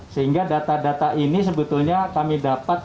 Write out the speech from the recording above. sehingga data data ini sebetulnya kami dapat